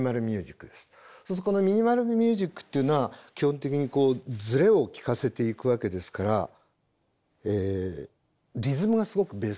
そうするとこのミニマル・ミュージックっていうのは基本的にこうズレを聴かせていくわけですからリズムがすごくベースになります。